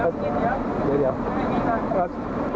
เดี๋ยวเดี๋ยวเดี๋ยว